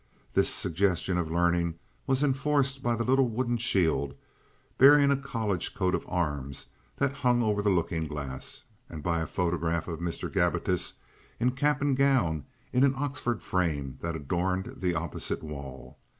This suggestion of learning was enforced by the little wooden shield bearing a college coat of arms that hung over the looking glass, and by a photograph of Mr. Gabbitas in cap and gown in an Oxford frame that adorned the opposite wall.